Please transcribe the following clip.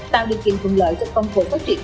tạo được kỳ phụng lợi cho công cụ phát triển